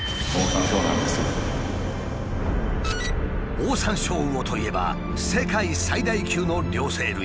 オオサンショウウオといえば世界最大級の両生類。